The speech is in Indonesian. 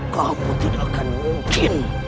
kamu tidak akan mungkin